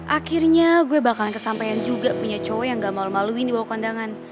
akhirnya gue bakalan kesampean juga punya cowok yang gak mau maluin di bawa kondangan